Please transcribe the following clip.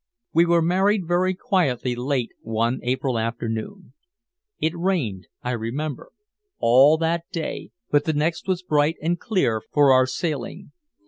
We were married very quietly late one April afternoon. It rained, I remember, all that day, but the next was bright and clear for our sailing.